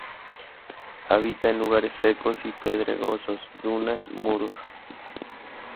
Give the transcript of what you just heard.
Habita en lugares secos y pedregosos, dunas, muros.